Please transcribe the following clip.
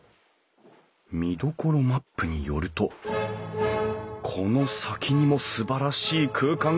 見どころマップによるとこの先にもすばらしい空間が。